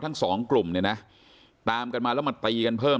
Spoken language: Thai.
ทั้งสองกลุ่มเนี่ยนะตามกันมาแล้วมาตีกันเพิ่ม